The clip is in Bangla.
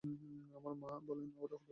আমার মা বলে " ওরে হতভাগা।